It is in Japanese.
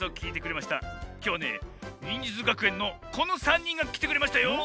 きょうねにんじゅつがくえんのこの３にんがきてくれましたよ。